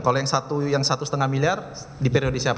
kalau yang satu lima miliar di periode siapa